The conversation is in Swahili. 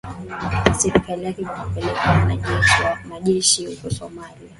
na serikali yake kwa kupeleka majeshi huko somalia